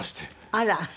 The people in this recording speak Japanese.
あら！